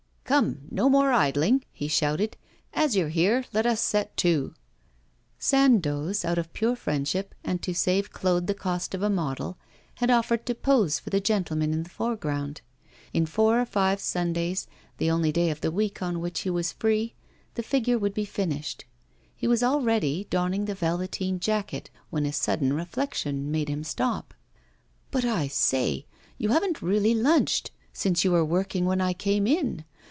'Come, no more idling,' he shouted. 'As you're here, let us set to.' Sandoz, out of pure friendship, and to save Claude the cost of a model, had offered to pose for the gentleman in the foreground. In four or five Sundays, the only day of the week on which he was free, the figure would be finished. He was already donning the velveteen jacket, when a sudden reflection made him stop. 'But, I say, you haven't really lunched, since you were working when I came in.